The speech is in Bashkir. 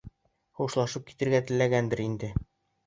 Хушлашып китергә теләгәндер инде.